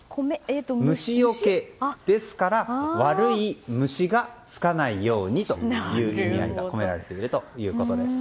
虫よけですから悪い虫がつかないようにという意味が込められているということです。